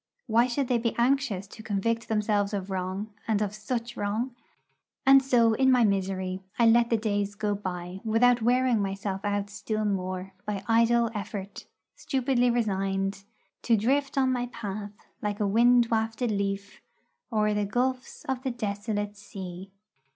Why should they be anxious to convict themselves of wrong, and of such wrong? And so in my misery I let the days go by without wearing myself out still more by idle effort, stupidly resigned To drift on my path, like a wind wafted leaf, O'er the gulfs of the desolate sea.